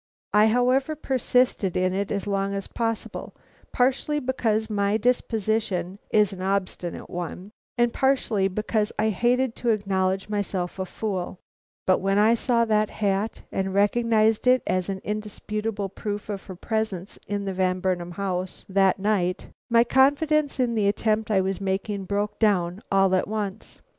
I, however, persisted in it as long as possible, partially because my disposition is an obstinate one, and partially because I hated to acknowledge myself a fool; but when I saw the hat, and recognized it as an indisputable proof of her presence in the Van Burnam house that night, my confidence in the attempt I was making broke down all at once.